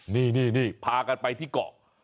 นี่พากันไปที่เกาะ